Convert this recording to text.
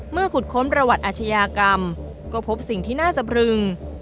เมื่อขุดเข้มประวัติอาชญากรรมก็พบสิ่งที่น่าสบรึง